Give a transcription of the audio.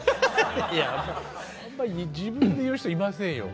いやあんま自分で言う人いませんよ。